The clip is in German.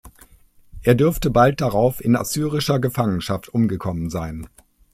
Er dürfte bald darauf in assyrischer Gefangenschaft umgekommen sein.